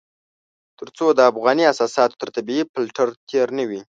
تر څو د افغاني اساساتو تر طبيعي فلټر تېر نه وي.